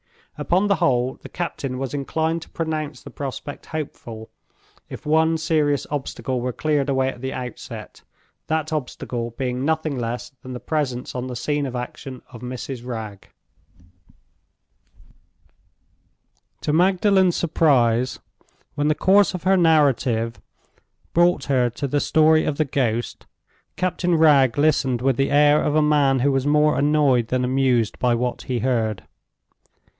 Upon the whole, the captain was inclined to pronounce the prospect hopeful, if one serious obstacle were cleared away at the outset—that obstacle being nothing less than the presence on the scene of action of Mrs. Wragge. To Magdalen's surprise, when the course of her narrative brought her to the story of the ghost, Captain Wragge listened with the air of a man who was more annoyed than amused by what he heard.